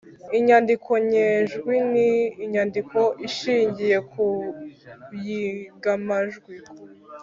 Inyandiko nyejwi ni inyandiko ishingiye ku iyigamajwi